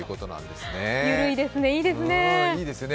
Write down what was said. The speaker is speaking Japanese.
ゆるいですね、いいですね。